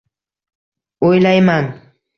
O’ylayman.